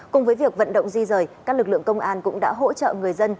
cùng với việc vận động di rời các lực lượng công an cũng đã hỗ trợ người dân